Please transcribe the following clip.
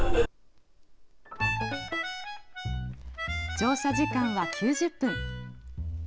乗車時間は９０分。